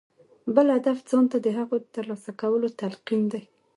بل هدف ځان ته د هغو د ترلاسه کولو تلقين دی.